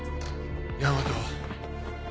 大和。